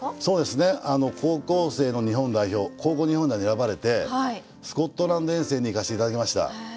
そうですね高校生の日本代表高校日本代表に選ばれてスコットランド遠征に行かせて頂きました。